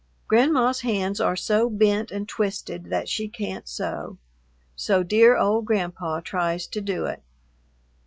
Grandma's hands are so bent and twisted that she can't sew, so dear old Grandpa tries to do it.